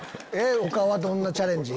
他はどんなチャレンジ？